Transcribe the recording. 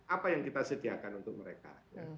apa yang kita sediakan untuk mereka